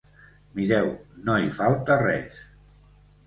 Mireu, no hi falta res.